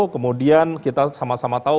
kemudian kita sama sama tahu